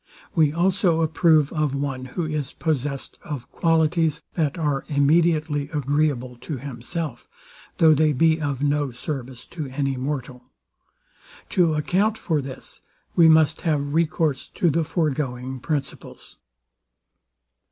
We also approve of one, who is possessed of qualities, that are immediately agreeable to himself; though they be of no service to any mortal. To account for this we must have recourse to the foregoing principles.